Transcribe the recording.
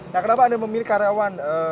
nah kenapa anda memilih karyawan